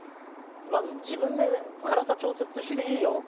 まず自分で辛さ調節していいよ。